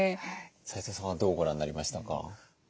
齋藤さんはどうご覧になりましたか？